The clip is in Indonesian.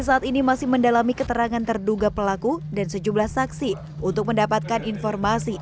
saat ini masih mendalami keterangan terduga pelaku dan sejumlah saksi untuk mendapatkan informasi